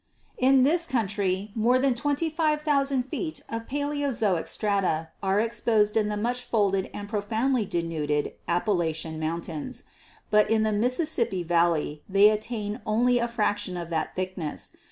"In this country more than 25,000 feet of Paleozoic strata are exposed in the much folded and profoundly denuded Appalachian Mountains, but in the Mississippi valley they attain only a fraction of that thickness.